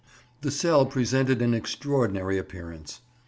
The cell presented an extraordinary appearance.